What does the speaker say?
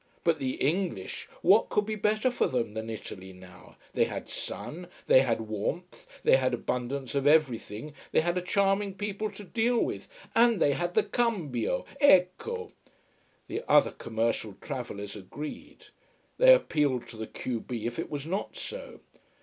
But the English what could be better for them than Italy now: they had sun, they had warmth, they had abundance of everything, they had a charming people to deal with, and they had the cambio! Ecco! The other commercial travellers agreed. They appealed to the q b if it was not so.